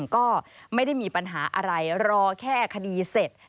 ก็ไม่ได้มีปัญหาอะไรรอแค่คดีเสร็จ